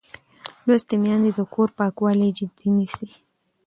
لوستې میندې د کور پاکوالی جدي نیسي.